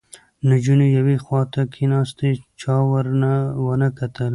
نجونې یوې خواته کېناستې، چا ور ونه کتل